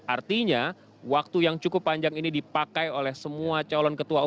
artinya waktu yang cukup panjang ini dipakai oleh semua calon ketua umum